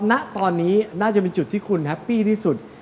ณตอนนี้น่าจะเป็นจุดที่คุณแฮปปี้ที่สุด